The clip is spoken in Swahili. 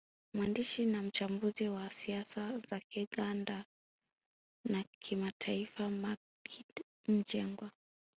Mwandishi na mchambuzi wa siasa za kikanda na kimataifa Maggid Mjengwa